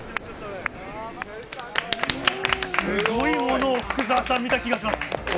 すごいものを見た気がします。